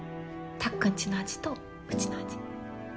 たっくんちの味とうちの味。